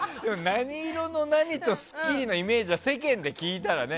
何色の何と「スッキリ」のイメージは世間で聞いたらね。